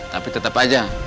tapi tetap aja